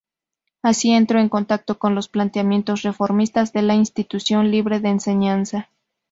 Así entró en contacto con los planteamientos reformistas de la Institución Libre de Enseñanza.